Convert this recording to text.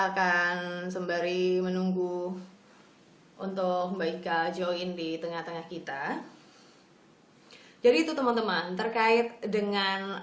akan sembari menunggu untuk mba ika join di tengah tengah kita jadi itu teman teman terkait dengan